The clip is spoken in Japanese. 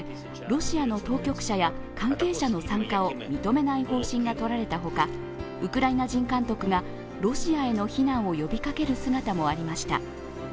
ロシアの当局者や関係者の参加を認めない方針がとられたほか、ウクライナ人監督がロシアへの非難を呼びかける姿もありました。